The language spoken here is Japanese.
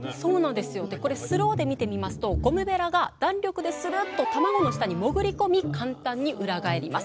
でこれスローで見てみますとゴムベラが弾力でスルッとたまごの下に潜り込み簡単に裏返ります！